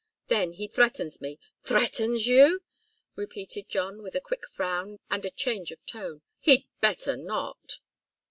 Then he threatens me " "Threatens you?" repeated John, with a quick frown and a change of tone. "He'd better not!"